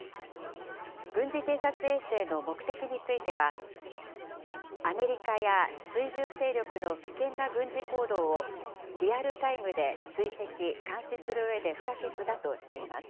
軍事偵察衛星の目的については、アメリカや追従勢力の危険な軍事行動を、リアルタイムで追跡・監視するうえで不可欠だとしています。